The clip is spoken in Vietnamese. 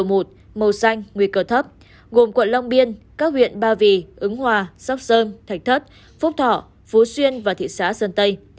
cấp độ xanh nguy cơ thấp gồm quận long biên các huyện ba vì ứng hòa sóc sơn thạch thất phúc thỏ phú xuyên và thị xã sơn tây